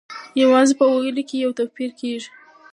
یوازې په ویلو کې یې توپیر کیږي.